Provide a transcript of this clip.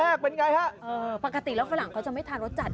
แรกกลี่นวัฒนะธรรมด้านอาหาร